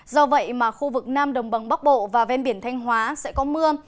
do vậy mà khu vực nam đồng bằng bắc bộ và ven biển thanh hóa sẽ có mưa